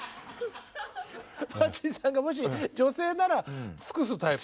マーチンさんがもし女性なら尽くすタイプ？